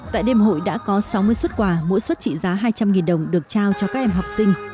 tại đêm hội đã có sáu mươi xuất quà mỗi xuất trị giá hai trăm linh đồng được trao cho các em học sinh